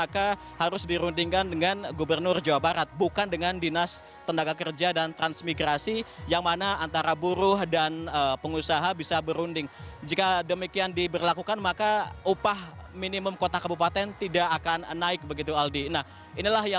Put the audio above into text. karena terlalu berbahaya